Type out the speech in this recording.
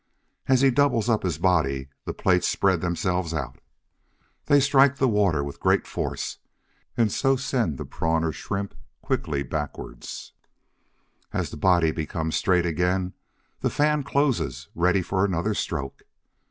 As he doubles up his body, the plates spread themselves out. They strike the water with great force, and so send the Prawn or Shrimp quickly backwards. As the body becomes straight again, the fan closes, ready for another stroke.